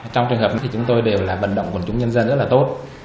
trong trường hợp thì chúng tôi đều là vận động quần chúng nhân dân rất là tốt